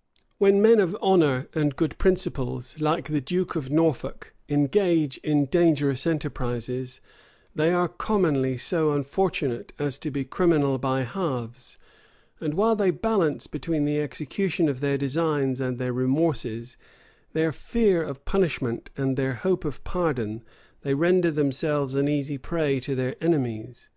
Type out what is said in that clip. []* Lesley, p. 76. Lesley, p. 98. Lesley, p. 77. When men of honor and good principles, like the duke of Norfolk, engage in dangerous enterprises, they are commonly so unfortunate as to be criminal by halves; and while they balance between the execution of their designs and their remorses, their fear of punishment and their hope of pardon, they render themselves an easy prey to their enemies.